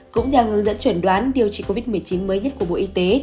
cũng theo hướng dẫn chuẩn đoán điều trị covid một mươi chín mới nhất của bộ y tế